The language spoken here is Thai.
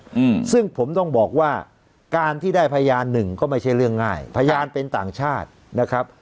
อืมซึ่งผมต้องบอกว่าการที่ได้พยานหนึ่งก็ไม่ใช่เรื่องง่ายพยานเป็นต่างชาตินะครับ